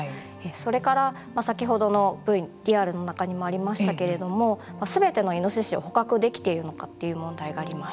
それから、先ほどのＶＴＲの中にもありましたけれどもすべてのイノシシを捕獲できているのかという問題があります。